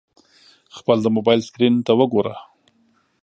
خپل د موبایل سکرین ته وګوره !